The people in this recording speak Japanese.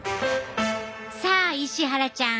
さあ石原ちゃん